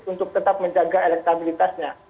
untuk tetap menjaga elektabilitasnya